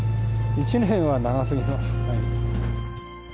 １年は長すぎます。